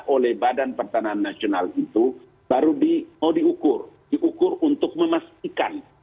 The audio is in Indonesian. oleh bpn itu baru mau diukur diukur untuk memastikan